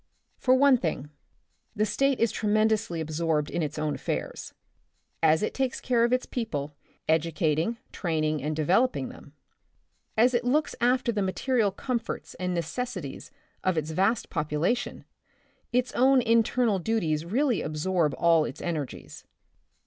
For one thing, the State is tremendously absorbed in its own affairs. As it takes care of its people, educating, training and developing them ; as it looks after the material comforts and necessities of its vast population, its own internal duties really absorb all its energies.